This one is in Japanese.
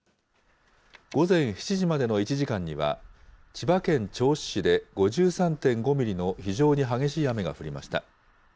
午前７時までの１時間には、千葉県銚子市で５３．５ミリの非常に激しい雨が降りました。